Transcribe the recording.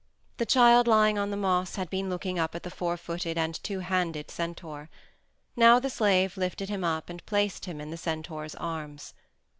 The child lying on the moss had been looking up at the four footed and two handed centaur. Now the slave lifted him up and placed him in the centaur's arms.